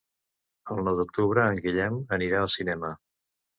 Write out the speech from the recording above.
El nou d'octubre en Guillem anirà al cinema.